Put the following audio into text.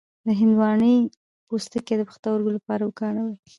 د هندواڼې پوستکی د پښتورګو لپاره وکاروئ